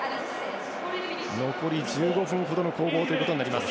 残り１５分ほどの攻防ということになります。